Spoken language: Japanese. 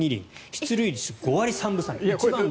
出塁率５割３分３厘。